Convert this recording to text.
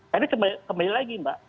tapi kembali lagi mbak